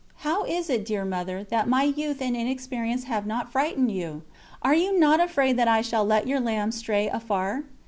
How is it, dear Mother, that my youth and inexperience have not frightened you? Are you not afraid that I shall let your lambs stray afar?